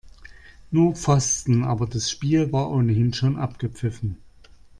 Nur Pfosten, aber das Spiel war ohnehin schon abgepfiffen.